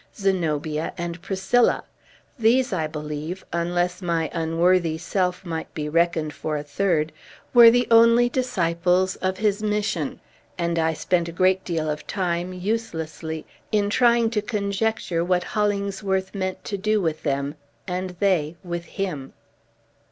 Zenobia and Priscilla! These, I believe (unless my unworthy self might be reckoned for a third), were the only disciples of his mission; and I spent a great deal of time, uselessly, in trying to conjecture what Hollingsworth meant to do with them and they with him!